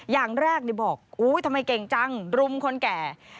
อย่างแรกบอกอุ๊ยทำไมเก่งจังรุมคนแก่